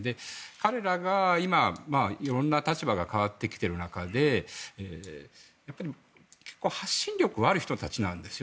彼らが今、色んな立場が変わってきている中で発信力はある人たちなんです。